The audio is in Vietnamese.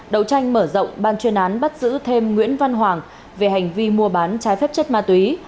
đầu tranh mở rộng ban chuyên án bắt giữ thêm nguyễn văn hoàng về hành vi mua bán trái phép chất ma túy